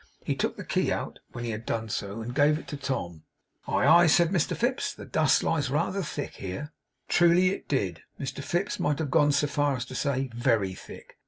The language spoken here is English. He took the key out, when he had done so, and gave it to Tom. 'Aye, aye!' said Mr Fips. 'The dust lies rather thick here.' Truly, it did. Mr Fips might have gone so far as to say, very thick.